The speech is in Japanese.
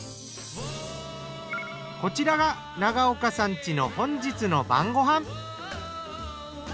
こちらが長岡さん家の本日の晩ご飯。